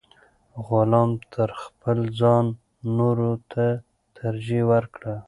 غلام تر خپل ځان نورو ته ترجیح ورکړه.